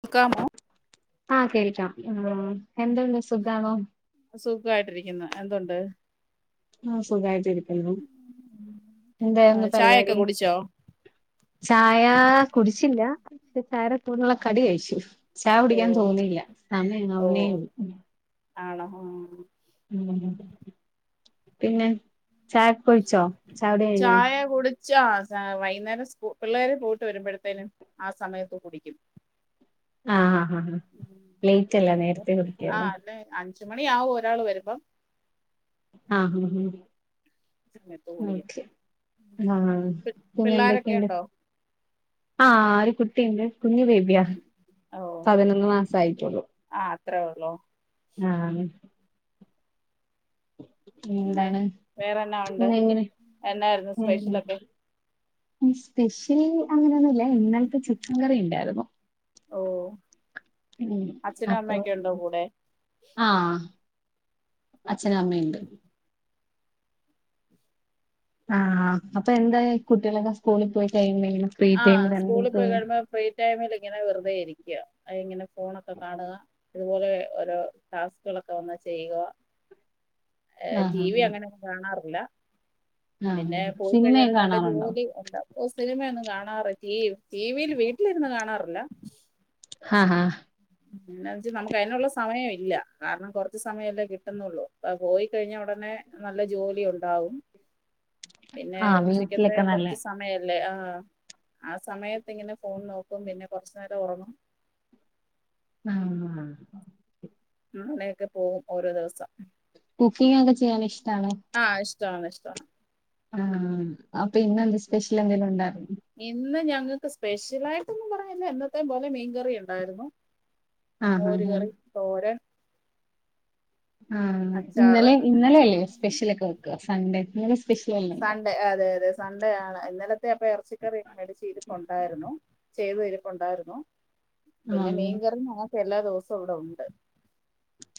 മുക്കാമോ ആഹ് കേൾക്കാം ഉ എന്തുണ്ട് സുഖാമാണോ സുഖമായിട്ടിരിക്കുന്ന എന്തുണ്ട് ആ സുഖമായിട്ടരിക്കല്ലോ എന്തായൊന്ന് ചായൊക്കെ പരിപാടി കുടിച്ചോ ചായ കുടിച്ചില്ല പക്ഷെ ചാരക്കൂന്നുള്ള കടി കഴിച്ചു ചായ ഓ പിടിക്കാൻ തോന്നിയില്ല സമയം ഓ അവനേ ഉള്ളൂ ആണോ ആ പിന്നെ ചായൊഴിച്ചോ ചായ കഴിഞ്ഞോ കുടിച്ചാ വൈകുന്നേരം സ്കൂൾ പിള്ളേരെ പോയിട്ട് വരുമ്പോഴത്തേനും ആ സമയത്ത് കുടിക്കും ആഹ് ആ ആാ ഉം. പ്ലേറ്റ് അല്ല പിന്നെ ഇപ്പം നേരത്തെ ആ കുടിക്കല്ലേ അല്ലെ അഞ്ച് മണി ആവു ഒരാൾ വരുമ്പം ആഹ് ഹഹ സമയത്ത് കുടിക്കും ഹഹ ആ പിന്നെ പിള്ളോരൊക്കെ എന്തൊക്കെയുണ്ട് ഉണ്ടോ ആഹ ആ ഒരു കുട്ടിയുണ്ട് കുഞ്ഞു ബേബി ഉം. ഓ പതിനൊന്നു മാസ ആയിട്ടോുള്ളു ഇത്ര ഉള്ളോ ആഹ പിന്നെ എന്താണ് വേറെന്ന ഉണ്ട് ഇന്ന് എന്നായിരുന്നു എങ്ങനെ സ്പെഷ്യലൊക്കെ സ്പെഷ്യൽ അങ്ങനെയൊന്നുമല്ല ഇന്നലത്തെ ചിക്കൻ കറി ഉണ്ടായിരുന്നു ഓ ഉ അച്ഛനും അപ്പൊ അമ്മയൊക്കെ ഉണ്ടോ കൂടെ ആഹ അച്ഛനും അമ്മയുണ്ട് ആഹ അപ്പൊ എന്താ കുട്ടികളൊക്കെ സ്കൂളിൽ പോയി കഴിയുമ്പ ആഹ് സ്കൂളിൽ പോയി കഴുമ്പോ ഫ്രീ ടൈമിൽ ഇങ്ങനെ വെറുതെയിരിക്കും ഇങ്ങനെ ഫോണൊക്കെ കാണുക ഇതുപോലെ ഓരോ ടാസ്കുകളൊക്കെ വന്ന് ചെയ്യുക ആഹ് ടി വി ആഹ് അങ്ങനെയൊെ കാണാറ് [unintelligible] ആഹ് പിന്നെ പോയി സിനിമയൊക്കെ കഴിഞ്ഞാലും നല്ല കാണാറുണ്ടോ ജോഗിങ് എന്ത ഓഹ് സിനിമയാണ് കാണാറ് ടിവിയിൽ വീട്ടിലിരുന്ന് കാണാറില്ല ഹാ ഹാ ഹ് പിന്ന വെച്ച് നമുക്ക് അയിനുള്ള സമയം ഇല്ല കാരണം കുറച്ച് സമയല്ലേ കിട്ടുന്നുള്ളൂ അപ്പ പോയി കഴിഞ്ഞാ ഉടനെ നല്ല ജോലി ഉണ്ടാവും പിന്നെ ആഹ് ഉച്ചക്കത്തെ വീട്ടിലൊക്കെ നല്ലെ കൊറച്ച് സമയം അല്ലെ ആഹ് ആ സമയത്ത് ഇങ്ങനെ ഫോൺ നോക്കും പിന്നെ കൊറച്ചു നേരം ഉറങ്ങും ആഹ് അങ്ങനെയൊക്കെ പോകും ഓരോ ദിവസം കുക്കിംഗ് ഒക്കെ ചെയ്യാൻ ഇഷ്ട്ടാണോ ഇഷ്ടാണ് ഇഷ്ടാണ് ആഹ് അപ്പൊ ഇന്നെ എന്ത്‌ സ്പെഷ്യൽ എന്തെങ്കിലും ഉണ്ട ഞങ്ങക്ക് സ്പെഷ്യലായിട്ടൊന്നും പറഞ്ഞില്ല എന്നത്തേയും പോലെ മീൻ കറി ഉണ്ടായിരുന്നു ആഹ് മോര് ആഹ് ആഹ് കറി തോരൻ ആഹ് അച്ചാറ് ഇന്നലെ അങ്ങനെയൊക്കെ ഇന്നലെഅല്ലേ സ്പെഷ്യലൊക്കെ വെക്കാ സൺഡേ [unintelligible] ഉണ്ടായിരുന്നോ സൺ‌ഡേ അതെ അതെ സൺഡേ ആണ് ഇന്നലെ ഇന്നലെക്കെ ഇറച്ചിക്കറി മേടിച്ച ഇരിപ്പുണ്ടായിരുന്നു ചെയ്തെ ഇരിപ്പുണ്ടായിരുന്നു പിന്നെ ആഹ് മീൻകറി മോ എല്ലാ ദിവസവും ഇവിടെ ഉണ്ട്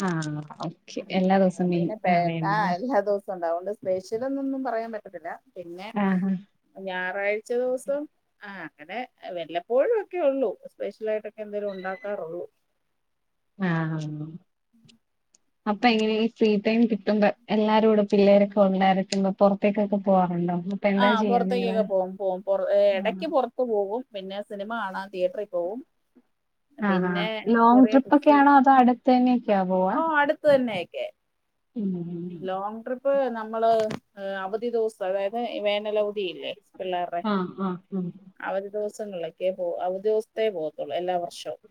ആഹ് ഓക്കെ എല്ലാ ദിവസവും അതുകൊണ്ട് മീൻകറി ണ്ട് ല്ലേ സ്പെഷ്യലെന്നൊന്നും പറയാൻ പറ്റത്തില്ല പിന്നെ ആഹ് ഞാ ഞായറാഴ്ച ദിവസം ആ അങ്ങനെ വല്ലപ്പോഴും ഒക്കെ ഉള്ളൂ സ്പെഷ്യലായിട്ട് എന്തേലും ഉണ്ടാക്കാറുള്ളൂ ആഹ് ആഹ് [inaudible] അപ്പൊ എങ്ങനെ ഈ ഫ്രീ ടൈം കിട്ടുമ്പോ എല്ലാരും കൂടെ പിള്ളേരൊക്കെ ഉണ്ടായിരിക്കുമ്പൊ പുറത്തേക്കൊക്കെ പോവാറുണ്ടോ അപ്പൊ എന്താ ആഹ് ചെയ്യാ നിങ്ങള് പുറത്തേക്കൊക്കെ പോകും പോകും എടക്ക് പൊർത്ത് പോകും പിന്നെ സിനിമ കാണാൻ തിയേറ്ററിൽ പോകും ആഹ് ആഹ് പിന്നെ ലോങ് ട്രിപ്പൊക്കെയാണാ അതൊ അടുത്ത് തന്നെ ഓഹ് അടുത്ത് തന്നെ [unintelligible] ആഹ് ഇപ്പ നമ്മള് അവധി ദിവസം അതായത് വേനലവതി ഇല്ലേ ആ ഹ ഹ ദിവസങ്ങളിലൊക്കെ പോ അവതി ദിവസത്തേ പോകത്തുള്ളൂ എല്ലാ വർഷവും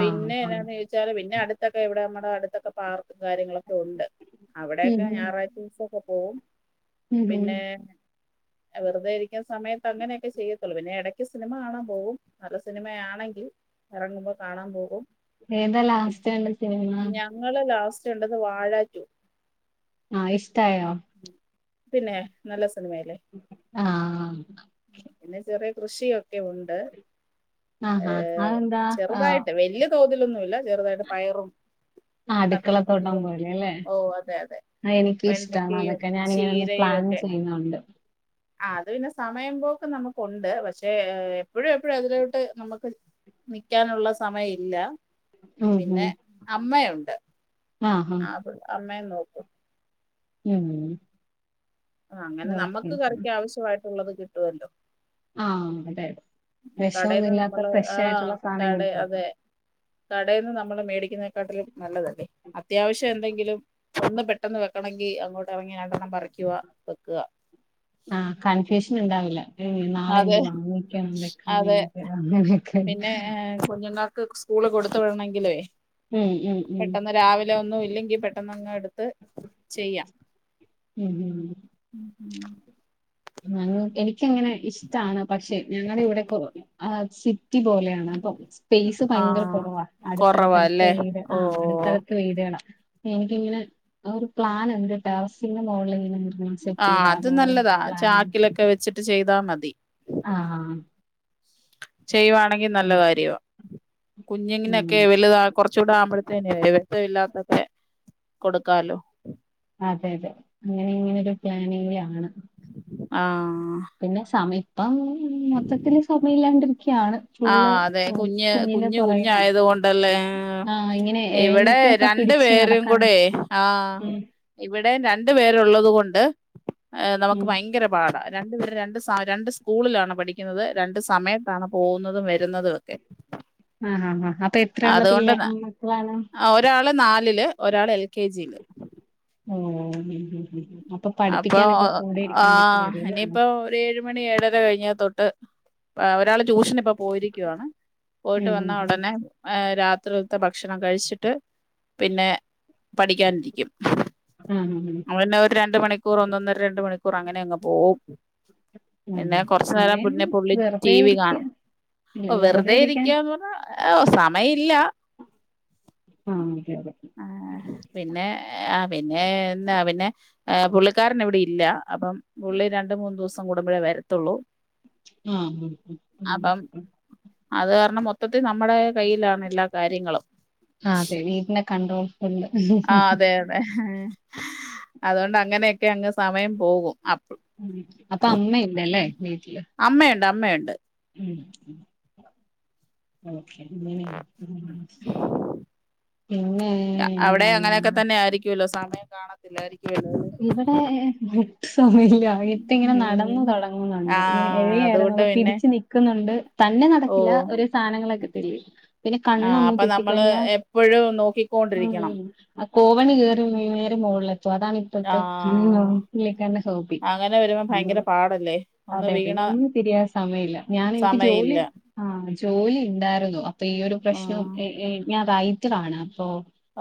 ആഹ് പിന്നെ ആഹ് എന്നാന്ന് ചോദിച്ചാല് പിന്നെ അടുത്തൊക്കെ എവിടാന്ന് അടുത്തൊക്കെ പാർക്കും കാര്യങ്ങളൊക്കെ ഉണ്ട് ഉം അവിടെയക്ക ഞായറാഴ്ച ദിവസക്കെ ഓ ഉം ഉം പിന്നെ ഉം വെറുതെ ഇരിക്കുന്ന സമയത്ത് അങ്ങനെയൊക്കെ ചെയ്യത്തുള്ളൂ പിന്നെ ഇടക്ക് സിനിമ കാണാൻ പോകും നല്ല സിനിമയാണെങ്കിൽ ഇറങ്ങുമ്പോ കാണാൻ പോകും ഏതാ ലാസ്റ്റ് കണ്ട സിനിമ ഞങ്ങള് [unintelligible] കണ്ടത് വാഴാ റ്റു ആ ഇഷ്ടായോ പിന്നെ നല്ല സി.. ആഹ പിന്നെ ചെറിയ കൃഷിയൊക്കെ ഉണ്ട് ആ ഹ ഏഹ് അതെന്താ ആ ഹ ചെറുതായിട്ട് [unintelligible] പയറും ആ അടുക്കളത്തോട്ടം കത്രിക്കയും പോലെ അല്ലേ ഓ അതെ അതെ ആ എനിക്ക് ഇഷ്ടാണ് വെണ്ടയ്ക്കയും അതൊക്കെ ഞാൻ ഇങ്ങനെ ഒന്ന് ചീരയും പ്ലാൻ ഒക്കെ ചെയ്യുന്നുണ്ട് ആ അത് പിന്നെ സമയം പോക്ക് നമുക്കുണ്ട് പക്ഷേ എപ്പോഴും എപ്പോഴും അതിലോട്ട് നമുക്ക് നിക്കാനുള്ള സമയം ഇല്ല ഉം പിന്നെ അമ്മയുണ്ട് ആഹ ഹ ആ [unintelligible] ഉം ആ അങ്ങനെ ഓക്കെ നമുക്ക് കറിക്ക് ആവശ്യമായിട്ട് ഉള്ളത് കിട്ടുമല്ലോ ആ അതെ കടേന്ന് വിഷമൊന്നുമല്ലാത്ത നമ്മള് ഫ്രഷ് ആയിട്ടുള്ള സാധനം [unintelligible] കടയിൽന്ന് നമ്മൾ മേടിക്കുന്നതിനെക്കാട്ടിലും നല്ലതല്ലേ അത്യാവശ്യം എന്തെങ്കിലും ഒന്ന് പെട്ടെന്ന് വെക്കണെങ്കിൽ അങ്ങോട്ട് ഇറങ്ങി രണ്ടെണ്ണം പറിക്കുക വെക്കുക. ആ കൺഫ്യൂഷൻ ഉണ്ടാവില്ല. ങ് നാളെ അതെ എന്ത് വാങ്ങിക്കണം വെക്കാൻ അതെ വേണ്ടിട്ട് അങ്ങനെക്കെ ക്ക് സ്കൂള് കൊടു.. ങ്കിലേ ഉം ഉം ഉം പെട്ടെന്ന് രാവിലെ ല്ല ഒന്നും ഇല്ലങ്കി പെട്ടെന്ന് അങ്ങ് എ ത്ത് ചെയ്യാം ഉം ഹും ഹും [unintelligible] എനി ഇക്ക്യങ്ങനെ ഇഷ്ടാണ്. പക്ഷെ ഞങ്ങളെ ഇവിടെ [unintelligible] ആ സിറ്റി പോലെയാണ്. അപ്പം സ്പേസ് ഭയങ്കര ആഹ് കുറവാ. അടുത്തടുത്തടുത്ത് കൊറവാല്ലേ വീട് ആഹ് ഓഹ് ഓഹ് അടുത്തടുത്ത് വീടുകളാ. എനിക്കിങ്ങനെ ഒരു പ്ലാൻ ണ്ട്. ടെർസിൻ്റെ മോളിലിങ്ങനെ ലോൺ ആഹ് അത് സെറ്റെയ്‌താലോന്നൊരു നല്ലതാ ചാക്കിലൊക്കെ വച്ച് ട്ട് ചെയ്താ മതി. ആഹ് ഹാ ചെയ്യുവാണെങ്കിൽ നല്ല കാര്യവാ. ഉം കുഞ്ഞിങ്ങിനൊക്കെ വലുത കുറച്ചുകൂടെ ആവുമ്പോത്തേനേ [unintelligible] ഇല്ലാത്തതേ കൊടുക്കാലോ അതെ അതെ അങ്ങനെ ഇങ്ങനെ ഒരു പ്ലാനിങ്ങിലാണ് ആഹ് പിന്നെ സമെ ബായ് ഉം മൊത്തത്തില് സമയല്ലാണ്ട് ആ അതെ കുഞ്ഞ് കുഞ്ഞ് പുറകിലാണ്. കുഞ്ഞായത് കൊണ്ടല്ലേ ആഹ് ഇങ്ങനെ ഇവിടെ എഴഞ്ഞിട്ടൊക്കെ രണ്ട് പിടിച്ച് പേരും നടക്കാനാണ്. കൂടെ ആ ഉം ഇവിടെ രണ്ട് പേരുള്ളത് കൊ ണ്ട് എഹ് നമുക്ക് ഉം ഭയങ്കര പാടാ. രണ്ട് പേര് രണ്ട് സ രണ്ട് സ്കൂളിലാണ് പഠിക്കുന്നത് രണ്ട് സമയത്താണ് പോകുന്നതും വരുന്നതും ഒക്കെ. ആഹ് ആ ആ അപ്പൊ എത്രയള്ള അതുകൊണ്ട് പിള്ളെ മക്കളാണ്? ഒരാള് നാലില് ഒരാൾ എൽ കെ ജി യില്. ഓ ഉം ഉം അപ്പൊ പഠിപ്പിക്കാനൊക്കെ കൂടെ ആ ഇരിക്കേണ്ടിട്ട് വരുല്ലേ ഉം ഇനിയിപ്പോ ഒരു ഏഴ മണി ഏഴര കഴിഞ്ഞാ തൊട്ട് ഒരാള് ടൂഷന് പോയിരിക്കുവാണ് പോയിട്ട് ഉം വന്ന ഉം ഉടനെ രാത്രിത്തെ ഭക്ഷണം കഴിച്ചി ട്ട് പിന്നെ പഠിക്കാനിരിക്കും. ഉം കുറന്തന്ന രണ്ട മണിക്കൂർ അങ്ങനെ അങ്ങ് പോകവും ഉം. പിന്നെ കുറച്ചുന നേരം സമയം പിന്നെ പുള്ളി ടി വെറുതെ വി ഇരിക്ക കാണും അ വെറുതെ ഇരിക്കുകന്ന് പറഞ്ഞാ സമയില്ല ആഹ് അതെ അതെ ആ പിന്നെ പിന്നെന്താ പിന്നെ പുള്ളിക്കാരൻ എവിടെ ഇല്ല അപ്പം പുള്ളി രണ്ട മൂന്ന് ദിവസം കൂടുമ്പോഴേ വരത്തുള്ളൂ ആ ഉ അപ്പം അത് കാരണം മൊത്തം ഇത് നമ്മുടെ കയ്യിലാണ് എല്ലാ കാര്യങ്ങളും ആ അതെ അതെ അല്ല അതുകൊണ്ട് അങ്ങനെയൊക്കെ അങ്ങ് സമയം പോകും അപ്പൊ അമ്മ ഇല്ലല്ലേ വീട്ടില് അമ്മയുണ്ട് അമ്മയുണ്ട് ഉം ഓ എന്ന എന്ന [unintelligible] കാണത്തില്ലായിരിക്കും ഇവിടെ മില്ല ഇട്ട ഇങ്ങനെ നടന്നു ഉം തുടങ്ങുന്നുണ്ട് ഇങ്ങനെ ആഹ് എഴയറരുന്നു അതുകൊണ്ട് അത പിന്നെ പിടച്ച് നൽക്കുന്നുണ്ട് തന്നെ ഓ നടക്കില്ല ഒരു സാധനങ്ങളൊക്കെ- ശരി പിന്നെ ആഹ് കണ്ണൊന്നും അപ്പൊ നമ്മള് തെറ്റിക്കഴിഞ്ഞാ എപ്പഴും നോക്കിക്കൊണ്ടിരിക്കണം ഉ കോവണി കേയറും മ- [unintelligible] മോളിലെത്തും അതാണ് [unintelligible] ആഹ് അങ്ങനെ വരുമ്പോ ഭയങ്കര പാടല്ലേ ഒന്ന് അതെ വീണ പിന്നൊന്നും തിരിയാൻ സമയില്ല. ഞാൻ എനിക്ക് ജോലി സമയില്ല ആ ജോലി ഇണ്ടാരുന്നു. അപ്പൊ ഈ ഒരു പ്രശ്നം ആഹ് എ ഏ ഞാ റൈറ്ററാണ് അപ്പൊ,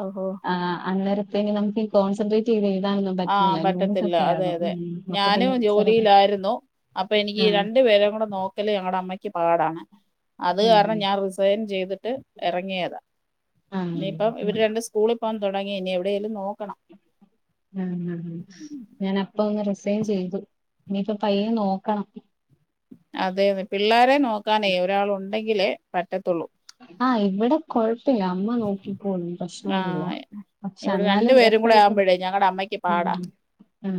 ഓഹോ ആ അന്നേരം പിന്നെ നമുക്കീ കോൺസെൺട്രേറ്റ് [unintelligible] ആ പറ്റത്തില്ല. അതെ അതെ ഉം. അപ്പൊ ഞാനും പിന്നെ ചെറു ജോലിയിലായിരുന്നു അപ്പൊ എനിക്ക് ആഹ് രണ്ടു പേരേം കൂടെ നോക്കല് ഞങ്ങടെ അമ്മയ്ക്ക് പാടാണ് അത് ആഹ് കാരണം ഞാൻ റിസൈൻ ചെയ്ത് ട്ട് എറങ്ങിയതാ. ഇനിയിപ്പ ആഹ് ഇവര് രണ്ട് സ്കൂള് പോവാൻ തൊടങ്ങി ഇനി എവിടെ നോക്കണം. ഉം ഞാനപ്പൊന്ന് റിസ് സെയ്ൻ ചെയ്തു. ഇനിയിപ്പ പയ്യെ നോക്കണം. അതെ, അതെ, പിള്ളേരെ നോ നോക്കാനേ ഒരാൾ ഉണ്ടെങ്കിലേ പറ്റത്തൊള്ളൂ. ആഹ് ഇവിടെ കൊഴപ്പില്ല അമ്മ നോക്കി ക്കോ [unintelligible] പ്രശ്നൊന്നുല്ല. ആഹ് പക്ഷെ ഇവിടെ രണ്ടു അന്നാലും പേരും കൂടെ എപ്പഴുപ്പം ആവുമ്പഴേ ഞങ്ങടെ അമ്മയ്ക്ക് പാടാ. ഉം, ആ.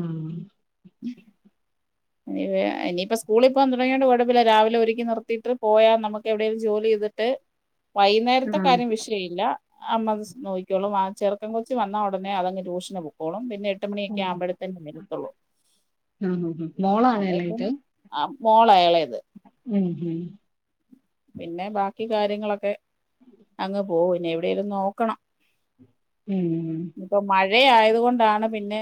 [unintelligible] വെ ഇനിയിപ്പോ സ്കൂളി പോൻ തുടങ്യോണ്ട്കൊഴപ്പില്ല. രാവിലെ ഒരുക്കി നിർത്തീട്ട് പോയാ നമുക്ക് എവിടേലും ജോലി എയ്തിട്ട്, വൈന്നേരത്തെ കാര്യം ആഹ് വിഷയില്ല. അമ്മ [unintelligible] നോയിക്കോളും, ആ ചെറുക്കൻ കൊച്ച് വന്നാ ഒടനെ അതങ്ങ് ട്യൂഷ്ന് പൊക്കോളും, പിന്നെ എ ഉം ഉം മോളോ അത്പ്പം ആഹ് മോള് എളേത് ഉം ഉം പിന്നെ ബാക്കി കാര്യങ്ങളൊക്കെ അങ്ങ് പോവൂന്നെ, എവിടേലും നോക്കണം. ഇന്ന് പ്പോ മഴ് മഴ ആയത് കൊണ്ടാണ് പിന്നെ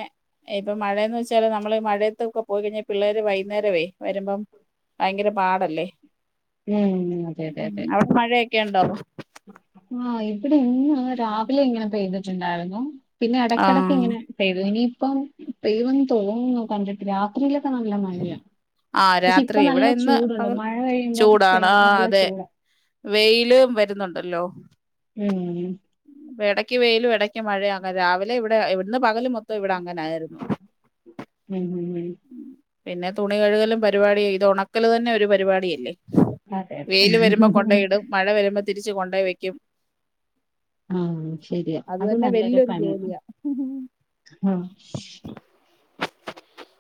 ഇപ്പൊ മഴെന്ന് വെച്ചാല് നമ്മള് മഴയത്തൊക്കെ പോയി കഴിഞ്ഞാ പിള്ളേര് വൈന്നേരവേ വരുമ്പം ഭയങ്കര പാടല്ലെ. ഉം അതെ അതെ അതെ ക്കെണ്ടോ? ആഹ് ഇവടെ ഇന്ന് രാവിലെ ഇങ്ങനെ പെയ്തിട്ട്ണ്ടായിരുന്നു. പിന്നെ ആഹ് എടക്കിടക്കിങ്ങനെ പെയ്തു ഇനി പ്പം പെയ്യുവന്ന് തോന്നുന്നു കണ്ടിട്ട് രാത്രിയില് ആ രാത്രി നല്ല ഇവിടെ ഇന്ന് ചൂടുണ്ട് പകൽ മഴ കഴിയുമ്പോ ചൂടാണ് ആ ഭയങ്കര നല്ല അതെ ചൂടാ വെയില് വരുന്നുണ്ടല്ലോ ഉം ഇപ്പൊ എടക്ക് വെയിലും എടക്ക് മഴയാണ് രാവിലെ ഇവടെ ഇവട് ന്ന് പകല് മൊത്തം ഇവടെ അങ്ങനാരുന്നു ഉം [inaudible] പിന്നെ തുണി കഴുകലും പരിപാടി ഇത് ഒണക് ക്കല് തന്നെ ഒരു പരിപാടി അല്ലേ അതെ അതെ വെയില് വരുമ്പോ കൊണ്ടോയിടും മഴ വരുമ്പൊ തിരിച്ച് കൊണ്ടോയി വെക്കും ആഹ് ശരിയാ അത് തന്നെ നല്ലൊരു വല്ലൊര് പണിയാണ് ജോലിയാ ആഹ്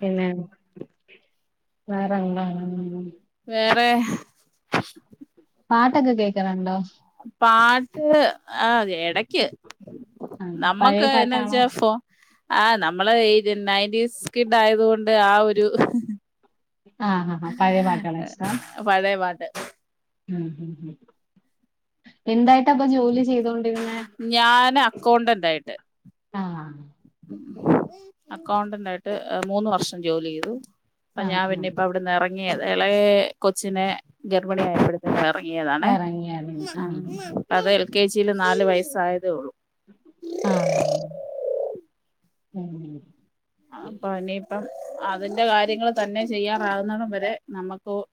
പിന്നെ വേറെ ന്താണ് വേറെ പാട്ടൊക്കെ കേക്കറ്ണ്ടോ പാട്ട് ആ എടക്ക് ആഹ് പഴയ നമ്മക്ക് പാട്ടാണോ [unintelligible] ആ നമ്മള് ഈ നയന്റീസ് കിഡ്ഡായത് കൊണ്ട് ആ ഒരു ആഹ് ഹ ഹ പഴെ പാട്ടാണൊ ഇഷ്ടം പഴയ പാട്ട് മ് എന്താ ന്താപ്പ ജോലി ചെയ്തോണ്ടിരുന്നേ ണ്ടായ്ട്ട് ആഹ് അക്കൗണ്ടന്റ് ആയിട്ട് മൂന്ന് വർഷം ജോലി ചെയ്തു അപ്പ ഞാ ആഹ് പിന്നെ ഇപ്പ ആഹ് അവിടെന്ന് ഇറങ്ങിയേരുന് എളയെ കൊച്ചിനെ ഗർഭിണി ആയപ്പോഴത്തേന് ടങ്ങിയതാണേ എറങ്ങിയാരുന്നു ആഹ് കെ ജിൽ നാല് വയസ്സായതേ ഉള്ളൂ. ആഹ് ഉം ആ പണീപ്പം അതിന്റെ കാര്യങ്ങൾ തന്നെ ചെയ്യാൻ ആവുന്നതും വരെ നമക്ക് ഒഹ്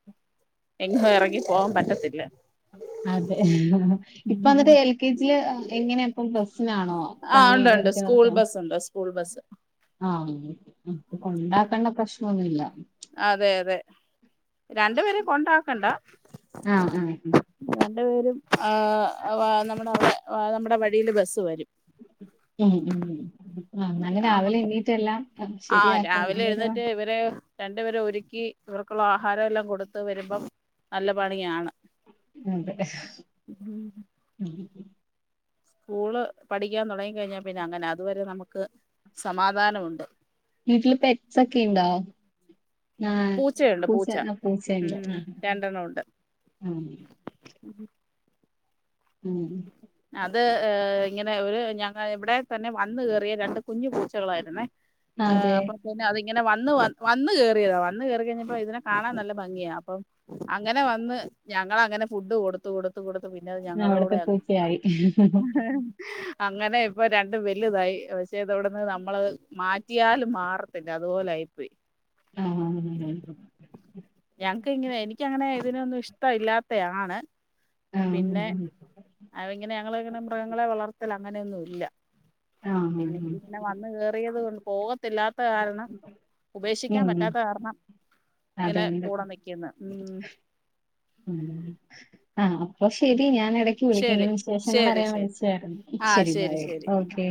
എങ്ങും ഇറങ്ങി പോവാ പറ്റത്തില്ല അതെ ഇപ്പൊ ഉം എന്നിട്ട് എൽ കെ ജില് എങ്ങനെ ഇപ്പ പ്ര നാണോ ആ തങ്ങെ ഉണ്ട് ഉണ്ട് ക്കൊരിട്ട് സ്കൂൾ നടക്കാ ബസ് ഉണ്ട് സ്കൂൾ ബസ് ആഹ് അയെ ഉം അപ്പൊ കൊ ണ്ടാക്കണ്ട പ്രശ്നൊന്നുല്ല അതെ അതെ രണ്ടു പേരെ കൊണ്ടാക്കണ്ട ആഹ് ആഹ് രണ്ട് ഏഹ് പേരും ഏഹ് നമ്മുടെ നമ്മുടെ വഴിയിൽ ബെസ്സ് വെരും ഉം ഉം ആഹ് നല്ല രാവിലെ എണ്ണീട്ടെ ല്ലാം ആഹ് രാവിലെ എഴുന്നേറ്റ് ഇവരെ രണ്ടുപേരു. ഒരുക്കി ഇവർക്കുള്ള ആഹാരം എല്ലാം കൊടുത്ത് വെരുമ്പം നല്ല പണിയാണ് അതെ ഉം. സ്കൂള് പഠിക്കാൻ തൊടങ്ങി കഴിഞ്ഞാ പിന്നെ അങ്ങനെ അതുവരെ നമുക്ക് സമാധാനമുണ്ട് വീട്ടില് പെറ്റ്സൊക്കെ ഇണ്ടോ ആഹ് പൂച്ച പൂച്ചണ്ട് ഉം രണ്ടെണ്ണം ഉണ്ട് ആഹ് ഉം അത് അ് ഇങ്ങനെ ഒരു ഞങ്ങൾ ഇവടെക്ക് തന്നെ വന്ന് കേറിയ രണ്ട് കുഞ്ഞു പൂച്ചകളായിരുന്നേ ഏ അതെ അപ്പെ പിന്നെ അ ഇങ്ങനെ വന്ന് വന്ന് കേറിയതാ വന്ന് കേറി കഴിഞ്ഞപ്പോ ഇതിനെ കാണാൻ നല്ല ഭംഗിയാ അപ്പം അങ്ങനെ വന്ന് ഞങ്ങൾ അങ്ങനെ ഫുഡ് കൊട്ത്ത് കൊട്ത്ത് കൊട് പിന്നത് ഞങ്ങളുടെ കൂടെ [unintelligible] യായി. അങ്ങനെ ഇപ്പൊ രണ്ടും വെല്ല്യതായി പക്ഷേ ഇതവട്ന്ന് നമ്മള് മാ കത്തിയാലും മാറത്തില്ല അതുപോലായിപോയി [unintelligible] ഞക്ക് ഇങ്ങനെ എനിക്കങ്ങനെ അതിനൊന്നും ഇഷ്ടവില്ലാത്തെ ആണ് ആഹ് പിന്നെ ആഹ് അവ ഇങ്ങനെ ഞങ്ങളിങ്ങനെ മൃഗങ്ങളെ വളർത്തലാ അങ്ങനെയൊന്നും ഇല്ല ആഹ് പിന്നെ ഇത് ഇങ്ങനെ വന്ന് കേയറിയത് കൊ പോവ ത്തില്ലാത്ത കാരണം ഉപേക്ഷിക്കാൻ ഉം പറ്റാത്ത കാരണം ഇങ്ങനെ അതുകൊണ്ട് കൂടെ നിക്ക്ന്ന് ഉം ഉം ആ അപ്പൊ ശരി ഞാൻ എടക്ക് വിളിക്കാ ശരി ഇങ്ങനെ വിശേഷങ്ങൾ ശരി അറിയാൻ ശരി വിളിച്ചായിരുന്നു ഇന്നാ ആഹ് ശരി ബായ് ശരി ഓക്കെ